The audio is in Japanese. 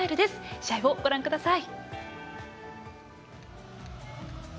試合をご覧ください。